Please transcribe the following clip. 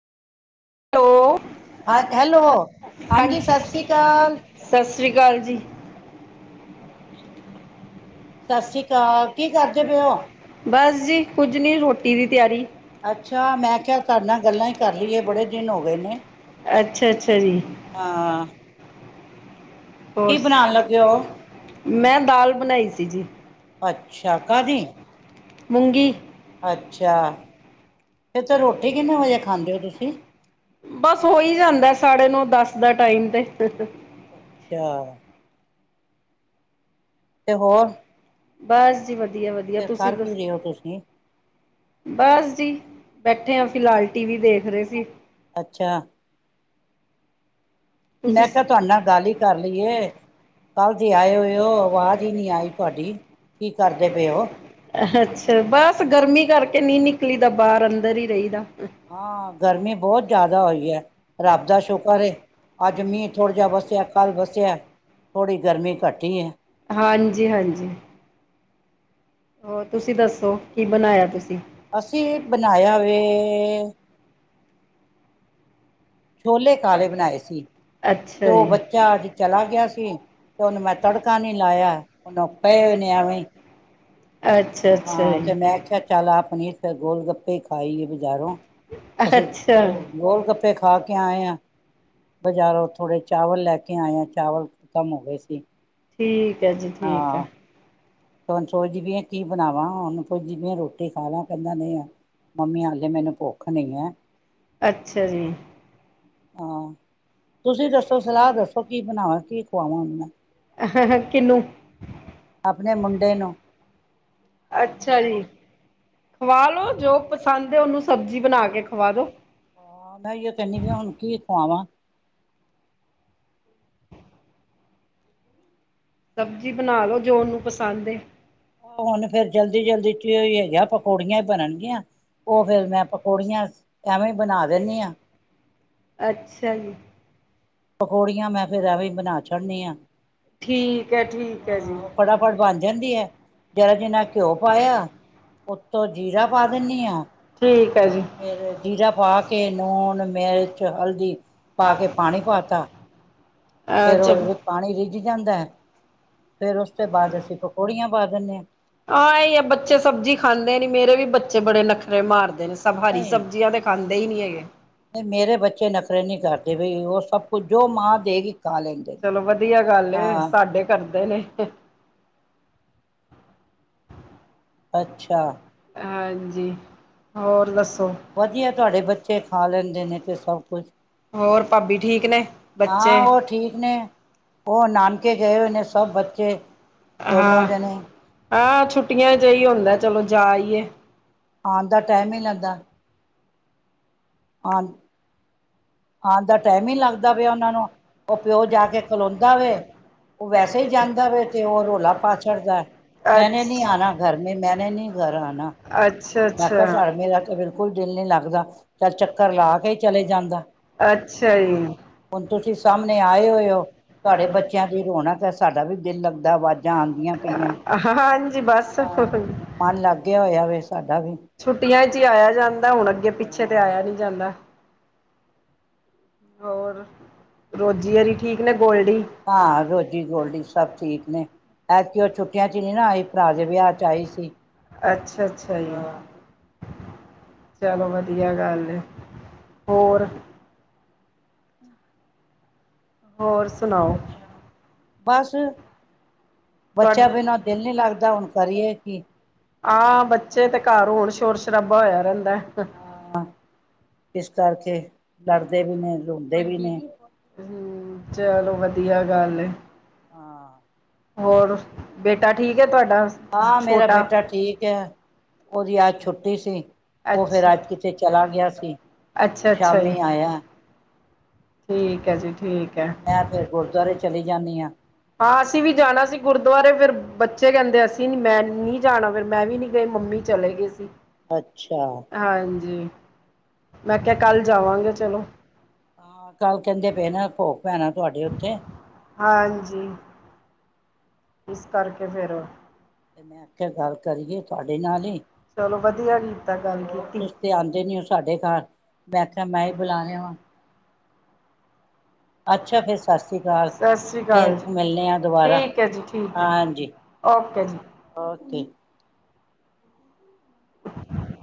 Hello, ਹਾਂਜੀ ਸਤਿ ਸ਼੍ਰੀ ਅਕਾਲ, ਸਤਿ ਸ਼੍ਰੀ ਅਕਾਲ ਜੀ। ਸਤ ਸ਼੍ਰੀ ਅਕਾਲ। ਕੀ ਕਰਦੇ ਹੋ ਬਸ ਜੀ ਕੁੱਝ ਨੀ ਰੋਟੀ ਦੀ ਤਿਆਰੀ। ਅੱਛਾ, ਮੈਂ ਕਿਹਾ ਤੁਹਾਡੇ ਨਾਲ ਗੱਲਾਂ ਹੀ ਕਰ ਲਈਏ ਬੜੇ ਦਿਨ ਹੋ ਗਏ ਨੇ। ਅੱਛਾ, ਅੱਛਾ ਜੀ। ਹਾਂ। ਕੀ ਬਨਾਨ ਲਗੇ ਹੋ, ਮੈਂ ਦਾਲ ਬਣਾਈ ਸੀ ਜੀ। ਅੱਛਾ, ਕਾਦੀ? ਮੂੰਗੀ। ਅੱਛਾ। ਤੇ ਰੋਟੀ ਕਿਨੇਂ ਵਜੇ ਖਾਂਦੇ ਓ ਤੁਸੀ? ਬਸ ਹੋ ਈ ਜਾਂਦੈ ਸਾਢੇ ਨੌਂ ਦੱਸ ਦਾ ਟਾਈਮ ਤੇ। ਅੱਛਾ। ਤੇ ਹੋਰ ਬਸ ਜੀ ਵਧੀਆ ਵਧੀਆ‌। ਫਿਰ ਤੁਸੀ ਕਰ ਕੀ ਦੱਸ ਰਹੇ ਹੋ ਤੁਸੀਂ ਬਸ ਜੀ ਬੈਠੇ ਆਂ। ਫਿਲਹਾਲ ਟੀਵੀ ਦੇਖ ਰੇ ਸੀ। ਅੱਛਾ। ਤੁਸੀਂ ਮੈਂ ਕੇਆ ਤੁਆਡੇ ਨਾਲ ਗੱਲ ਈ ਕਰ ਲਈਏ। ਕੱਲ ਦੇ ਆਏ ਹੋਏ ਓ ਵਾਜ ਈ ਨਈ ਆਈ ਤੁਆਡੀ। ਕੀ ਕਰਦੇ ਪੇਓ? ਅੱਛਾ, ਬਸ ਗਰਮੀ ਕਰਕੇ ਨੀ ਨਿਕਲੀ ਦਾ ਬਾਰ ਅੰਦਰ ਈ ਰਈਦਾ। ਹਾਂ, ਗਰਮੀ ਬੋਤ ਜਾਦਾ ਹੋਈ ਐ। ਰੱਬ ਦਾ ਸ਼ੁਕਰ ਏ। ਅੱਜ ਮੀਂ ਥੋੜਾ ਜਾ ਵੱਸੇਆ ਕੱਲ ਵੱਸੇਆ ਐ ਥੋੜੀ ਗਰਮੀ ਘਟੀ ਏ। ਹਾਂਜੀ ਹਾਂਜੀ। ਹੋਰ ਤੁਸੀ ਦੱਸੋ ਕੀ ਬਨਾਏਆ ਤੁਸੀ? ਅਸੀ ਬਨਾਏਆ ਵੇ ਛੋਲੇ ਕਾਲੇ ਬਣਾਏ ਸੀ। ਤੇ ਅੱਛਾ ਓ ਜੀ ਬੱਚਾ ਅੱਜ ਚਲਾ ਗੇਆ ਸੀ। ਤੇ ਓਨ ਮੈਂ ਤੜਕਾ ਨੀ ਲਾਏਆ, ਹੁਨ ਓ ਪਏ ਹੋਏ ਨੇ ਐਵੇਂ ਈ। ਅੱਛਾ ਅੱਛਾ ਜੀ। ਚਲ ਆ ਪਨੀਰ ਫੇਰ ਗੋਲ ਗੱਪੇ ਈ ਖਾਈਏ ਬਜਾਰੋਂ। ਅਸੀ ਅੱਛਾ ਗੋਲ ਗੱਪੇ ਖਾ ਕੇ ਆਏ ਆਂ। ਬਜਾਰੋਂ। ਥੋੜ ਚਾਵਲ ਲੈ ਕੇ ਆਏ ਆਂ ਚਾਵਲ ਖਤਮ ਹੋ ਗੇਸੀ। ਠੀਕ ਐ ਜੀ ਠੀਕ ਐ। ਹੁਣ ਸੋਚਦੀ ਪੀਆਂ ਕੀ ਬਣਾਵਾਂ? ਓਨੂੰ ਪੋਛਦੀ ਪੀਆਂ ਰੋਟੀ ਖਾ ਲੈ ਕੈਂਦਾ ਨੀ ਆ ਮੰਮੀ ਹਾਲੇ ਮੈਨੂੰ ਭੁੱਖ ਨਈ ਐ। ਅੱਛਾ ਜੀ। ਹਾਂ, ਤੁਸੀ ਦੱਸੋ ਸਲਾਹ ਦੱਸੋ ਕੀ ਬਣਾਵਾਂ ਕੀ ਖਵਾਵਾਂ ਓਨੂੰ ਮੈਂ? ਕਿਨੂੰ, ਆਪਣੇ ਮੁੰਡੇ ਨੂੰ ਅੱਛਾ ਜੀ। ਖਵਾ ਲੋੋ ਜੋ ਪਸੰਦ ਏ ਓਨੂੰ ਸਬਜੀ ਬਨਾ ਕੇ ਖਵਾ ਦੋ। ਹਾਂ ਮੈਂ ਓਈ ਓ ਕੇਨੀ ਪੀ ਆਂ ਹੁਨ ਕੀ ਖਵਾਵਾਂ? ਸਬਜੀ ਬਨਾ ਲੋ ਜੋ ਓਨੂੰ ਪਸੰਦ ਏ। ਹੋਨ ਫੇਰ ਜਲਦੀ ਜਲਦੀ ਚ ਓਈ ਹੈਗਾ ਪਕੌੜੀਆਂ ਈ ਬਣਨਗੀਆਂ। ਓ ਫੇਰ ਮੈਂ ਪਕੌੜੀਆਂ ਐਵੇਂ ਈ ਬਨਾ ਦੇਨੀ ਆਂ। ਅੱਛਾ ਜੀ। ਪਕੌੜੀਆਂ ਮੈਂ ਫੇਰ ਐਵੇਂ ਈ ਬਨਾ ਛਡਨੀ ਆਂ। ਠੀਕ ਹੈ ਠੀਕ ਹੈ ਜੀ ਹਾਂ, ਓ ਫਟਾਫਟ ਬਨ ਜਾਂਦੀ ਏ। ਜਰਾ ਜਿਨਾ ਘਓ ਪਾਏਆ ਉੱਤੋਂ ਜੀਰਾ ਪਾ ਦਿੰਨੀ ਆਂ। ਠੀਕ ਐ ਜੀ। ਫੇਰ ਜੀਰਾ ਪਾ ਕੇ ਲੂਣ, ਮਿਰਚ, ਹਲਦੀ ਪਾ ਕੇ ਪਾਣੀ ਪਾਤਾ। ਤਾ, ਫੇਰ ਅੱਛਾ ਓ ਪਾਣੀ ਰਿੱਝ ਜਾਂਦਾ ਐ, ਫੇਰ ਓਸ ਤੇ ਬਾਦ ਅਸੀ ਪਕੌੜੀਆਂ ਪਾ ਦੇਨੇ ਆਂ। ਹਾਂ, ਏਈ ਐ ਬੱਚੇ ਸਬਜੀ ਖਾਂਦੇ ਨੀ, ਮੇਰੇ ਵੀ ਬੱਚੇ ਬੜੇ ਨੱਖਰੇ ਮਾਰਦੇ ਨੇ। ਸਭ ਹਰੀ ਸਬਜ਼ੀਆਂ ਤੇ ਖਾਂਦੇ ਈ ਨਹੀਂ ਹੈਗੇ। ਨੀ ਮੇਰੇ ਬੱਚੇ ਨਖਰੇ ਨਹੀਂ ਕਰਦੇ ਬਈ, ਉਹ ਸਭ ਕੁਝ ਜੋ ਮਾਂ ਦਏਗੀ ਖਾ ਲੇਂ। ਚਲੋ ਵਧੀਆ ਗੱਲ ਏ, ਸਾਡੇ ਕਰਦੇ ਨੇ। ਅੱਛਾ। ਹਾਂਜੀ, ਹੋਰ ਦੱਸੋ। ਵਧੀਆ, ਤੁਹਾਡੇ ਬੱਚੇ ਖਾ ਲੈਂਦੇ ਨੇ 'ਤੇ ਸਭ ਕੁਛ। ਹੋਰ ਭਾਬੀ ਠੀਕ? ਨੇ ਹਾਂ, ਬੱਚੇ ਉਹ ਠੀਕ ਨੇ, ਉਹ ਨਾਨਕੇ ਗਏ ਹੋਏ ਨੇ ਸਭ ਬੱਚੇ। ਦੋਨੋਂ ਹਾਂ ਜਨੇ। ਹਾਂ, ਛੁੱਟੀਆਂ 'ਚ ਐਈਓ ਹੁੰਦੈ ਚਲੋ ਜਾਈਏ। ਆਣ ਦਾ ਟਾਈਮ ਨੀ ਲੱਗਦਾ। ਆਨ ਆਨ ਦਾ ਟਾਈਮ ਹੀ ਨੀ ਲੱਗਦਾ ਪਿਆ ਅੱਛਾ ਓਨਾਂ ਨੂੰ, ਓ ਪਿਓ ਜਾ ਕੇ ਖਲੋਂਦਾ ਵੇ ਓ ਵੈਸੇ ਈ ਜਾਂਦਾ ਵੇ ਤੇ ਓ ਰੌਲਾ ਪਾ ਛੱਡਦਾ, ਮੈਨੇ ਨੀ ਆਨਾ ਘਰ ਮੇਂ ਮੈਨੇ ਨੀ ਘਰ ਆਨਾ। ਅੱਛਾ। ਮੈਂ ਕਿਹਾ ਸਾਡ-ਮੇਰਾ 'ਤੇ ਬਿਲਕੁਲ ਦਿਲ ਨੀ ਲੱਗਦਾ। ਚੱਲ ਚੱਕਰ ਲਾ ਕੇ ਈ ਚਲੇ ਜਾਂਦਾ। ਅੱਛਾ ਜੀ ਹੁਣ ਤੁਸੀਂ ਸਾਮਣੇ ਆਏ ਹੋਏ ਹੋ, ਤੁਹਾਡੇ ਬੱਚਿਆਂ ਦੀ ਰੌਣਕ ਐ ਸ ਸਾਡਾ ਵੀ ਦਿਲ ਲੱਗਦੈ, ਵਾਜ਼ਾਂ ਆਂਦੀਆਂ ਪਈਆਂ। ਹਾ ਹਾਂਜੀ ਬਸ। ਹਾਂ, ਮਨ ਲੱਗ ਗਯਾ ਹੋਇਆ ਵੇ ਸਾਡਾ ਵੀ। ਛੁੱਟੀਆਂ 'ਚ ਈ ਆਇਆ ਜਾਂਦੈ, ਹੁਣ ਅੱਗੇ-ਪਿੱਛੇ ਤੇ ਹਾਂ ਆਇਆ ਨੀ ਜਾਂਦਾ। ਹੋਰ, ਰੋਜੀ ਔਰੀ ਠੀਕ ਨੇ ਗੋਲਡੀ? ਹਾਂ, ਰੋਜੀ-ਗੋਲਡੀ ਸਭ ਠੀਕ ਨੇ। ਐਦਕੀ ਓ ਛੁੱਟੀਆਂ 'ਚ ਨੀ ਨਾ ਆਈ, ਭਰਾ ਦੇ ਵਿਆਹ 'ਚ ਆਈ ਸੀ। ਅੱਛਾ ਅੱਛਾ ਹਾਂ ਜੀ। ਚਲੋ ਵਧੀਆ ਗੱਲ ਏ, ਹੋਰ! ਹੋਰ ਸ ਬਸ ਬੱਚਿਆਂ ਤੁਹਾਡੇ ਬਿਨਾਂ ਦਿਲ ਨੀ ਲੱਗਦਾ, ਹੁਣ ਕਰੀਏ ਕੀ? ਹਾਂ, ਬੱਚੇ ਤੇ ਘਰ ਹੋਣ ਸ਼ੋਰ-ਸ਼ਰਾਬਾ ਹੋਇਆ ਰੈਂਦੈ। ਹਾਂ, ਇਸ ਕਰਕੇ ਲੜਦੇ ਵੀ ਨੇ, ਰੌਂਦੇ ਵੀ ਨੇ। ਹੰ, ਚਲੋ ਵਧੀਆ ਗੱਲ ਏ। ਹਾਂ ਹੋਰ, ਬੇਟਾ ਠੀਕ ਏ ਤੁਆਡਾ? ਹਾਂ, ਮੇਰਾ ਬੇਟਾ ਠੀਕ ਏ। ਓਦੀ ਅੱਜ ਛੁੱਟੀ ਸੀ, ਓ ਫੇਰ ਅੱਜ ਕਿਤੇ ਚਲਾ ਗਿਆ ਸੀ। ਅੱਛਾ-ਅੱਛਾ ਜੀ। ਸ਼ਾਮੀ ਆਇਆ ਠੀਕ ਐ ਜੀ ਠੀਕ। ਹੈ ਮੈਂ ਫੇਰ ਗੁਰਦੁਆਰੇ ਚਲੀ ਜਾਨੀ ਆਂ। ਹਾਂ ਅਸੀਂ ਵੀ ਜਾਣਾ ਸੀ ਗੁਰਦੁਆਰੇ ਫਿਰ ਬੱਚੇ ਕੈਂਦੇ ਅਸੀਂ ਨੀਂ ਮੈਂ ਨੀ ਜਾਣਾ ਫਿਰ ਮੈਂ ਵੀ ਨੀ ਗਈ, ਮੰਮੀ ਚਲੇ ਗਏ ਸੀ। ਅੱਛਾ। ਹਾਂਜੀ, ਮੈਂ ਕਿਆ ਕੱਲ੍ਹ ਜਾਵਾਂਗੇ ਚਲੋ। ਹਾਂ ਕੱਲ ਕੇੰਦੇ ਪਏ ਨੇ ਭੋਗ ਪੈਨਾ ਤੁਹਾਡੇ ਉੱਥੇ। ਹਾਂਜੀ। ਇਸ ਕਰਕੇ ਫੇਰ ਤੇ ਮੈਂ ਕਿਆ ਗੱਲ ਕਰੀਏ ਤੁਹਾਡੇ ਨਾਲ ਹੀ ਚਲੋ ਵਧੀਆ ਕੀਤਾ ਗੱਲ ਹੋਰ ਕੀਤੀ। ਤੁਸੀਂ ਤੇ ਆਬਦੇ ਨੀ ਉ ਸਾਡੇ ਘਰ ਮੈਂ ਕਿਆ ਮੈਂ ਹੀ ਬੁਲਾ ਲਿਆਵਾਂ। ਅੱਛਾ ਫੇਰ ਸਤਿ ਸ੍ਰੀ ਅਕਾਲ ਸਸ ਸ੍ਰੀ ਕਾਲ ਫੇਰ ਜੀ, ਮਿਲਣੇ ਆ ਦੁਬਾਰਾ ਠੀਕ ਏ ਜੀ ਠੀਕ ਏ। ਹਾਂਜੀ ਓਕੇ ਜੀ। ਓਕੇ।